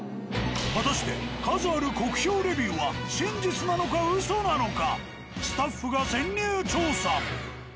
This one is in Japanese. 果たして数ある酷評レビューは真実なのかウソなのかスタッフが潜入調査。